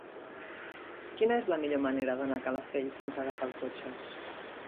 Quina és la millor manera d'anar a Calafell sense agafar el cotxe?